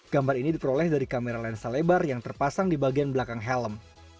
gambar ini diperoleh dari kamera lensa lebar yang terpasang di bagian belakang helm